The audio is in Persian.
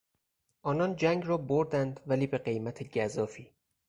آنان جنگ را بردند ولی به قیمت گزافی.